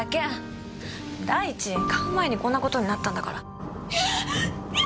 第一買う前にこんな事になったんだから。